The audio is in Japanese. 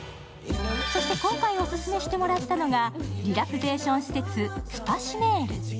そして今回オススメしてもらったのがリラクゼーション施設スパ・シメール。